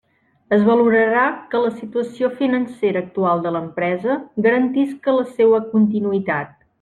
Es valorarà que la situació financera actual de l'empresa garantisca la seua continuïtat.